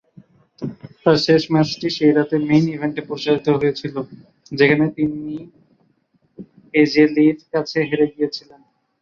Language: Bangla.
তার শেষ ম্যাচটি সেই রাতে "মেইন ইভেন্টে" প্রচারিত হয়েছিল, যেখানে তিনি এজে লির কাছে হেরে গিয়েছিলেন।